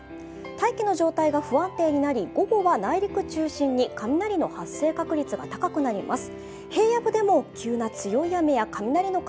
大気の状態が不安定になり、午後は内陸中心に雷の発生確率も高くなります。